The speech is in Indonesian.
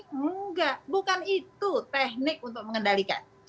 enggak bukan itu teknik untuk mengendalikan